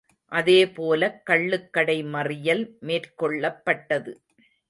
அதே போலக் கள்ளுக்கடை மறியல் மேற்கொள்ளப்பட்டது.